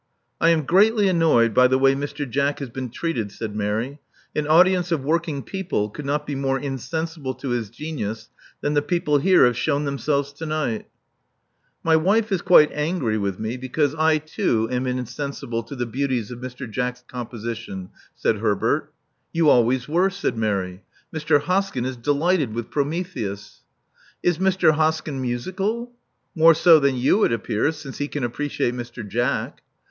I am greatly annoyed by the way Mr. Jack has been treated," said Mary. An audience of working people could not be more insensible to his genius than the people here have shewn themselves to night." My wife is quite angry with me because I, too, 322 Love Among the Artists am insensible to the beauties of Mr. Jack's com position,*' said Herbert. •*You always were," said Mary. ''Mr. Hoskyn is delighted with Prometheus." *'Is Mr. Hoskyn musical?" "More so than you, it appears, since he can appreciate Mr. Jack."